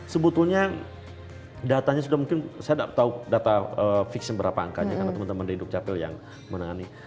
sebetulnya datanya sudah mungkin saya tidak tahu data fiksi berapa angkanya karena teman teman dari dukcapil yang menangani